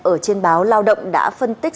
ở trên báo lao động đã phân tích